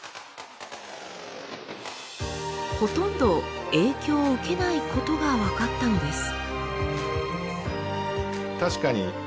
ほとんど影響を受けないことが分かったのです。